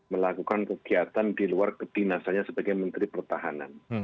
melakukan kegiatan di luar kedinasannya sebagai menteri pertahanan